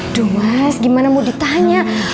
aduh mas gimana mau ditanya